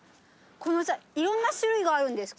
いろんな種類があるんですか？